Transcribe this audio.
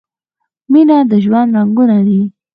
مینه د ژوند رنګونه دي.